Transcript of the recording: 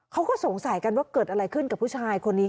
เขาก็สงสัยกันว่าเกิดอะไรขึ้นกับผู้ชายคนนี้